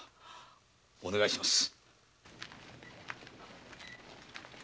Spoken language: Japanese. お願いします。